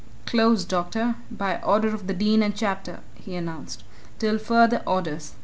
"Closed, doctor by order of the Dean and Chapter," he announced. "Till further orders.